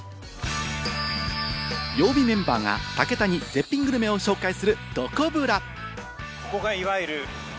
曜日メンバーが武田に絶品グルメを紹介する、どこブラ。